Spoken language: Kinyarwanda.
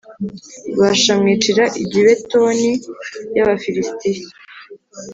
Bāsha amwicira i Gibetoni y’Abafilisitiya